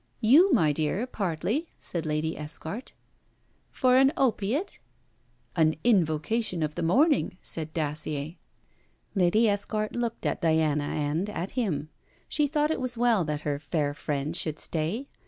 'You, my dear, partly,' said Lady Esquart. 'For an opiate?' 'An invocation of the morning,' said Dacier. Lady Esquart looked at Diana and, at him. She thought it was well that her fair friend should stay.